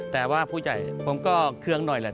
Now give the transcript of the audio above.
แต่ว่าผู้ใหญ่ผมก็เครื่องหน่อยแหละ